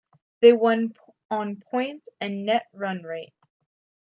They won on points and Net Run Rate.